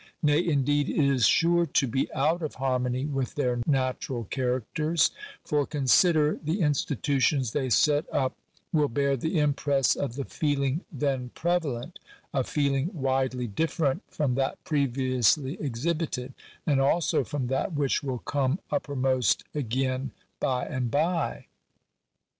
Nay, indeed, it is sure to be out of harmony with their natural characters ; for consider, the institutions they set up will bear the impress of the feeling then prevalent — a feel ing widely different from that previously exhibited, and also from that which will come uppermost again by and by.